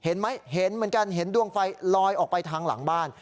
เห็นไหมเห็นเหมือนกันเห็นดวงไฟลอยออกไปทางหลังบ้าน